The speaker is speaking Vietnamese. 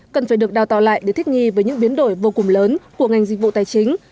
cần phải được đào tạo lại để thích nghi với những biến đổi vô cùng lớn của ngành dịch vụ tài chính